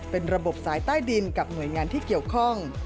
เป็นระบบสายใต้ดินกับหน่วยงานที่เกี่ยวข้อง